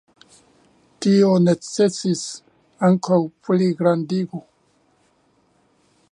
Tio necesis ankaŭ pligrandigo.